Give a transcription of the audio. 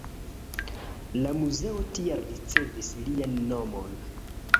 La muzeo tial ricevis lian nomon.